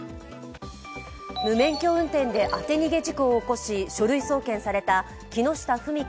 無免許運転で当て逃げ事故を起こし書類送検された、木下富美子